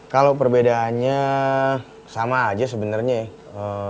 kalau perbedaannya sama aja sebenarnya ya